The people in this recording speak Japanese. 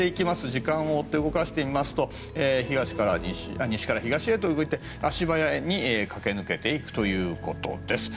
時間を追って動かしてみますと西から東へと動いて足早に駆け抜けていくということです。